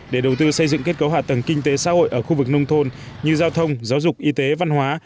để đầu tư xây dựng kết cấu hạ tầng kinh tế xã hội ở khu vực nông thôn như giao thông giáo dục y tế văn hóa